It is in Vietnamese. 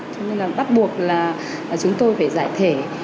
cho nên là bắt buộc là chúng tôi phải giải thể